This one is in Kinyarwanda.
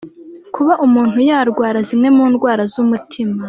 Kuba umuntu yarwara zimwe mu ndwara z’umutima.